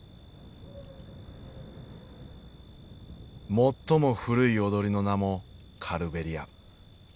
最も古い踊りの名もカルベリア。